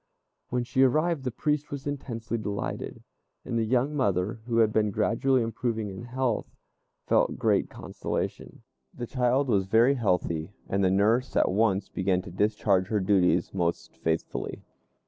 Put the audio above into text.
When she arrived the priest was intensely delighted, and the young mother, who had been gradually improving in health, felt great consolation. The child was very healthy, and the nurse at once began to discharge her duties most faithfully.